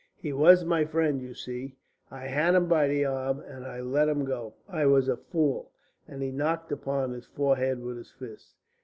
He was my friend, you see. I had him by the arm, and I let him go. I was a fool." And he knocked upon his forehead with his fist.